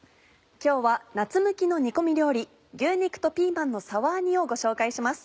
今日は夏向きの煮込み料理「牛肉とピーマンのサワー煮」をご紹介します。